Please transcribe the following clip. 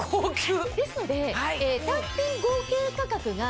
ですので。